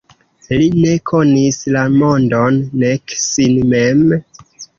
Li ne konis la mondon nek sin mem?